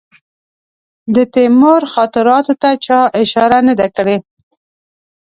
د تیمور خاطراتو ته چا اشاره نه ده کړې.